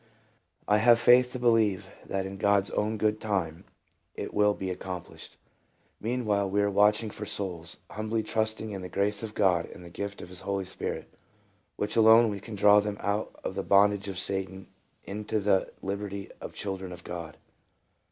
And I have faith to believe that in God's own good time it will be accomplished. Meanwhile we are watching for souls, humbly trusting in the grace of God and the gift of his Holy Spirit, which alone can draw them out of the bondage of Satan into the liberty of children of God.